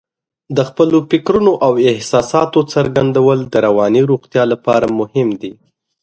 د خپلو فکرونو او احساساتو څرګندول د رواني روغتیا لپاره مهم دي.